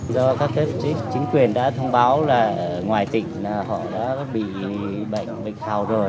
do các chức chính quyền đã thông báo là ngoài tỉnh họ đã bị bệnh bệnh hào rồi